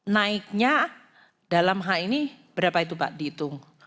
naiknya dalam hal ini berapa itu pak dihitung